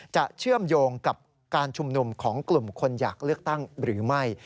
เชื่อมโยงกับการชุมนุมของกลุ่มคนอยากเลือกตั้งหรือไม่